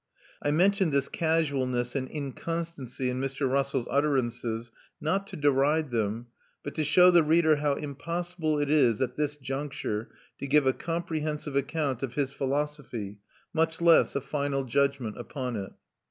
I mention this casualness and inconstancy in Mr. Russell's utterances not to deride them, but to show the reader how impossible it is, at this juncture, to give a comprehensive account of his philosophy, much less a final judgment upon it.